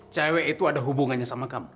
cewek itu ada hubungannya sama kamu